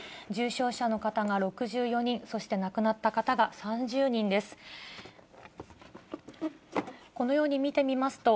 重症者の方が６４人、そして、亡くなった方が３０人です。